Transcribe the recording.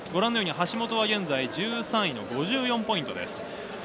橋本は１３位、５４ポイントです。